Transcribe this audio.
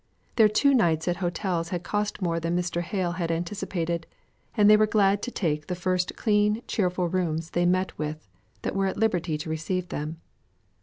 Their two nights at hotels had cost more than Mr. Hale had anticipated, and they were glad to take the first clean, cheerful rooms they met with that were at liberty to receive them.